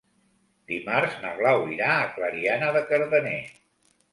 Dimarts na Blau irà a Clariana de Cardener.